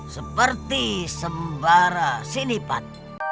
seperti sembara sinipat